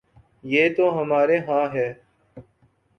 یہ تو ہمارے ہاں ہے۔